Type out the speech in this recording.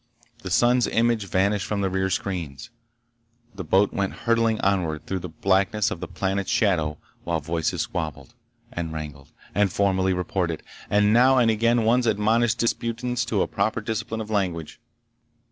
The sun's image vanished from the rear screens. The boat went hurtling onward through the blackness of the planet's shadow while voices squabbled, and wrangled, and formally reported, and now and again one admonished disputants to a proper discipline of language.